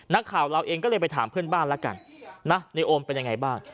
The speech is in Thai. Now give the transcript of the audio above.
นักข่าวเราเองก็เลยไปถามเพื่อนบ้านแล้วกันนะในโอมเป็นยังไงบ้าง